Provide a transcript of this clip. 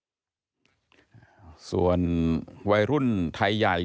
ก็มีการออกรูปรวมปัญญาหลักฐานออกมาจับได้ทั้งหมด